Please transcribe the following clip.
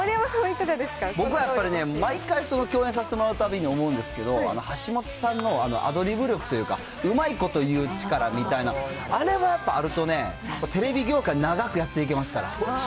僕はやっぱりね、毎回、共演させてもらうたびに思うんですけど、橋本さんのアドリブ力というか、うまいこと言う力みたいな、あれはやっぱあるとね、やっぱ、テレビ業界長くやっていけますから。